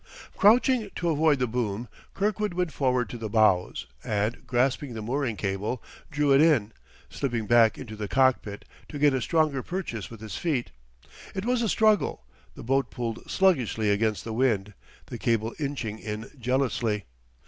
Crouching to avoid the boom, Kirkwood went forward to the bows, and, grasping the mooring cable, drew it in, slipping back into the cockpit to get a stronger purchase with his feet. It was a struggle; the boat pulled sluggishly against the wind, the cable inching in jealously.